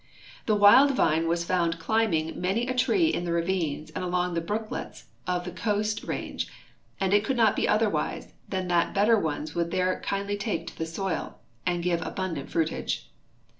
The wild vine was found climbing many a tree in the ravines and along the brooklets of the Coast range, and it could not be otherwise than that better ones would take kindh'' to the soil and give abundant fruitage.